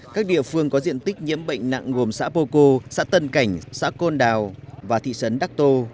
các địa phương có diện tích nhiễm bệnh nặng gồm xã pô cô xã tân cảnh xã côn đào và thị trấn đắc tô